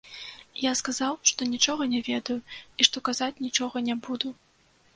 Я сказаў, што нічога не ведаю і што казаць нічога не буду.